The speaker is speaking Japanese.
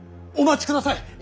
お待ちください。